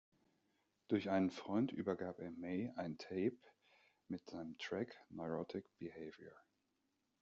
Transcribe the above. Durch einen Freund übergab er May ein Tape mit seinem Track „"Neurotic Behavior"“.